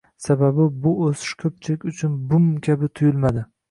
Sababi, bu o'sish ko'pchilik uchun "bum" kabi tuyulmadi